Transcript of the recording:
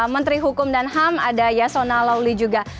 menteri hukum dan ham ada yasona lawli juga